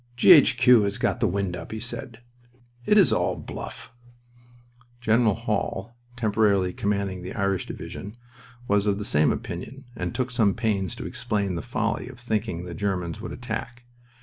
"G.H.Q. has got the wind up," he said. "It is all bluff." General Hall, temporarily commanding the Irish Division, was of the same opinion, and took some pains to explain the folly of thinking the Germans would attack.